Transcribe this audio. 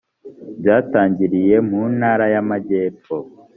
byatangiriye mu ntara y ‘amajyepfo .